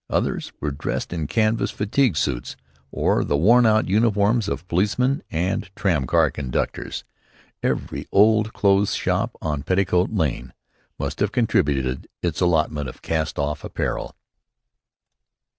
Others were dressed in canvas fatigue suits, or the worn out uniforms of policemen and tramcar conductors. Every old clothes shop on Petticoat Lane must have contributed its allotment of cast off apparel.